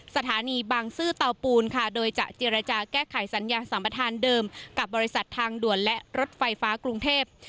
สถานีบางซื่อเตาปูนค่ะโดยจะเจรจาแก้ไขสัญญาสัมประธานเดิมกับบริษัททางด่วนและรถไฟฟ้ากรุงเทพ